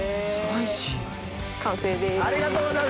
完成です。